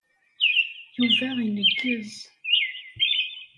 Yuba ineggez.